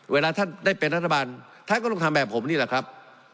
เวลาท่านได้เป็นรัฐบาลท่านก็ต้องทำแบบผมนี่แหละครับ